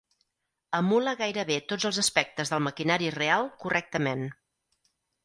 Emula gairebé tots els aspectes del maquinari real correctament.